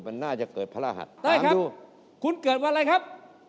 ต๋อยครับคุณเกิดวันไหนครับ